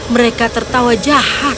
mereka tertawa jahat